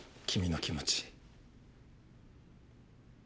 君の気持ち。